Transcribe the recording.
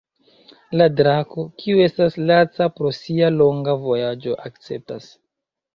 La drako, kiu estas laca pro sia longa vojaĝo, akceptas.